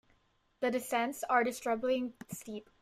The descent was disturbingly steep.